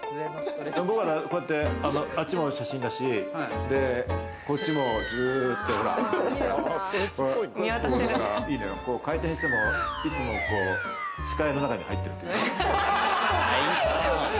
僕はこうやって、あっちも写真だしこっちもずっと、回転してもいつも視界の中に入ってるというか。